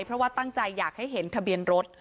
เพราะว่าตั้งใจอยากให้เห็นทะเบียนรถ